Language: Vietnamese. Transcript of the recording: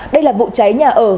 đây là vụ trái nhà ở